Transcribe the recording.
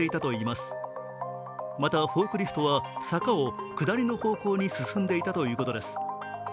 また、フォークリフトは坂を下りの方向に進んでいたということです。